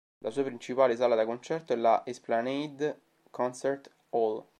La sua principale sala da concerto è la Esplanade Concert Hall.